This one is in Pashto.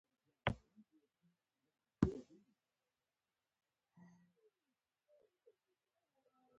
ږغ مې وکړ اوبه.